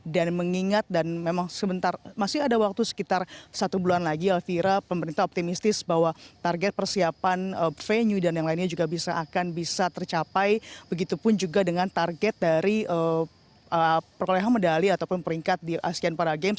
dan mengingat dan memang sebentar masih ada waktu sekitar satu bulan lagi alvira pemerintah optimistis bahwa target persiapan feni dan yang lainnya juga akan bisa tercapai begitu pun juga dengan target dari perkelehan medali ataupun peringkat di asian para games